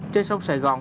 trên sông sài gòn